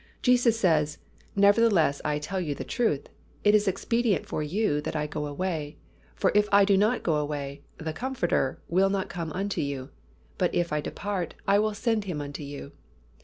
Jesus says, "Nevertheless I tell you the truth; It is expedient for you that I go away: for if I go not away, the Comforter will not come unto you; but if I depart, I will send Him unto you."